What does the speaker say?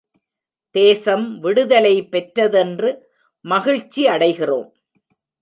தேசம் விடுதலை பெற்றதென்று மகிழ்ச்சி அடைகிறோம்.